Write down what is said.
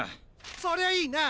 そりゃいいな！